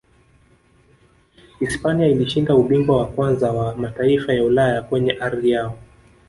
hispania ilishinda ubingwa wa kwanza wa mataifa ya ulaya kwenye ardhi yao